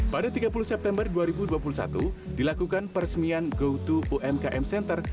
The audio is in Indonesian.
pada tiga puluh september dua ribu dua puluh satu dilakukan peresmian go to umkm center